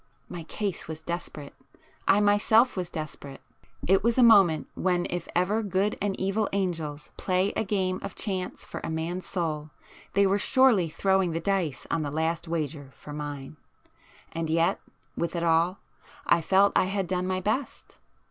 My case was desperate,—I myself was desperate. It was a moment when if ever good and evil angels play a game of chance for a man's soul, they were surely throwing the dice on the last wager for mine. And yet, with it all, I felt I had done my best.